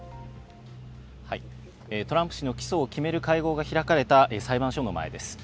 はい、トランプ氏の起訴を決める会合が開かれた裁判所の前です。